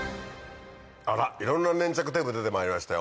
あらいろんな粘着テープ出てまいりましたよ。